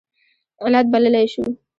علت بللی شو.